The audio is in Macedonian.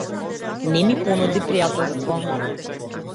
Не ми понуди пријателство.